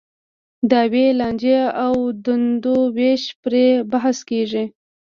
دعاوې، لانجې او دندو وېش پرې بحث کېږي.